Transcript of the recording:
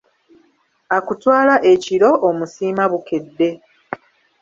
Akutwala ekiro, omusiima bukedde.